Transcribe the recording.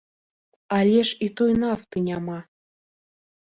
Але ж і той нафты няма!